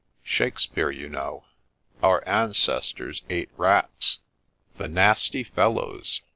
— Shakespeare, you know. Our ancestors ate rats ;(" The nasty fellows